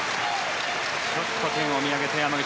ちょっと天を見上げた山口。